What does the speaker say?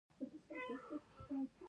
پۀ کال نولس سوه ويشتم کښې